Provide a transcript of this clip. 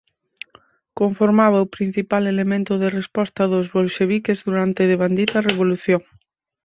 Conformaba o principal elemento de resposta dos bolxeviques durante devandita revolución.